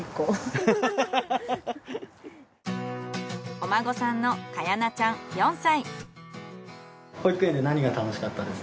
お孫さんのかやなちゃん４歳。